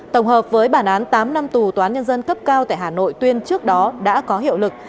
tổng hợp với bản án tám năm tù tòa án nhân dân cấp cao tại hà nội tuyên trước đó đã có hiệu lực